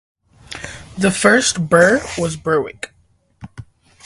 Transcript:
The first burgh was Berwick.